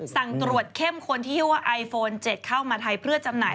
สั่งตรวจเข้มคนที่ว่าไอโฟน๗เข้ามาไทยเพื่อจำหน่าย